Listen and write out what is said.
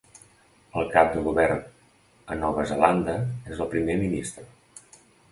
El cap de govern a Nova Zelanda és el Primer Ministre.